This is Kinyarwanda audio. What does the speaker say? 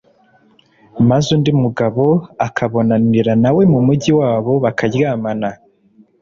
maze undi mugabo akabonanira na we mu mugi wabo, bakaryamana,